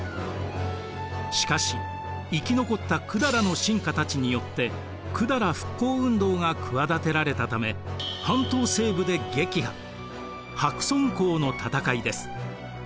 しかし生き残った百済の臣下たちによって百済復興運動が企てられたため半島西部で撃破白村江の戦いです。